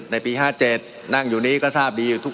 มันมีมาต่อเนื่องมีเหตุการณ์ที่ไม่เคยเกิดขึ้น